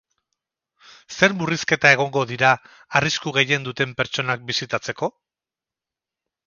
Zer murrizketa egongo dira arrisku gehien duten pertsonak bisitatzeko?